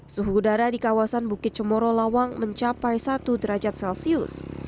suhu udara di kawasan bukit cemoro lawang mencapai satu derajat celcius